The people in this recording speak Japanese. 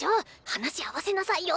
話合わせなさいよ！